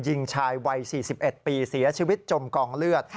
ยิงชายวัย๔๑ปีเสียชีวิตจมกองเลือด